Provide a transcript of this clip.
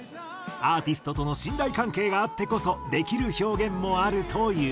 アーティストとの信頼関係があってこそできる表現もあるという。